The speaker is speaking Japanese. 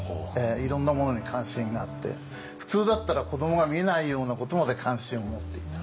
いろんなものに関心があって普通だったら子どもが見ないようなことまで関心を持っていた。